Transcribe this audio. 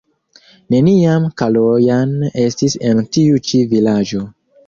Neniam Kalojan estis en tiu ĉi vilaĝo.